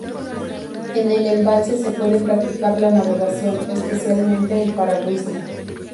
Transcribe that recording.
En el embalse se puede practicar la navegación, especialmente el piragüismo.